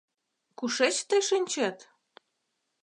— Кушеч тый шинчет?